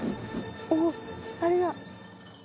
おっあれだ。